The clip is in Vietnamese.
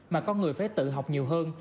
mà con người phải tự học nhiều hơn